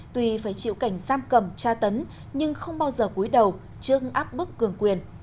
tuy phải chịu cảnh giam cầm tra tấn nhưng không bao giờ cúi đầu chương áp bức cường quyền